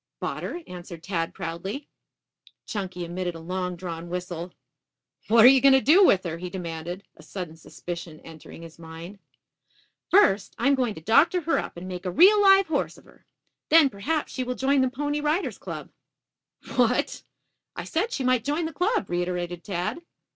"Bought her," answered Tad proudly. Chunky emitted a long drawn whistle. "What are you going to do with her?" he demanded, a sudden suspicion entering his mind. "First, I am going to doctor her up and make a real live horse of her. Then, perhaps, she will join the Pony Riders' Club." "What?" "I said she might join the club," reiterated Tad.